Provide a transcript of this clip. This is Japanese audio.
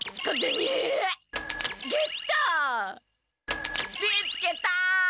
見つけた！